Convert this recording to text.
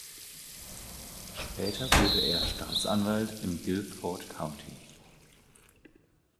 Später wurde er Staatsanwalt im Guilford County.